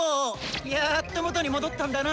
やっと元に戻ったんだな。